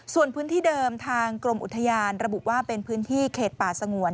ส่วนพื้นที่เดิมทางกรมอุทยานระบุว่าเป็นพื้นที่เขตป่าสงวน